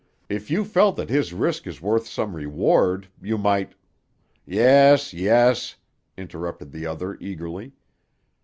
If you felt that his risk is worth some reward, you might—" "Yes, yes!" interrupted the other eagerly.